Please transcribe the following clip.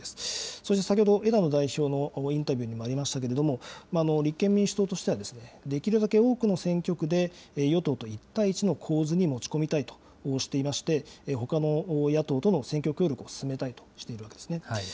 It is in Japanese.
そして先ほど枝野代表のインタビューにもありましたけれども、立憲民主党としては、できるだけ多くの選挙区で与党と１対１の構図に持ち込みたいとしていまして、ほかの野党との選挙協力を進めたいとしているわけですね。